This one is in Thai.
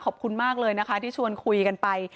ขอบคุณมากเลยนะคะที่ชวนคุยกันไป